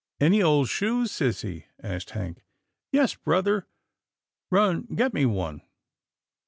" Any old shoes, sissy? " asked Hank. " Yes, brother." " Run get me one."